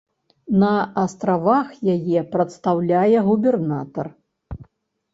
На астравах яе прадстаўляе губернатар.